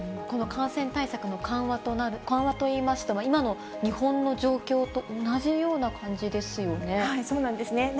この感染対策の緩和といいますと、今の日本の状況と同じような感じですよね。